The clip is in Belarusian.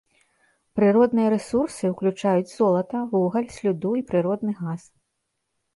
Прыродныя рэсурсы ўключаюць золата, вугаль, слюду і прыродны газ.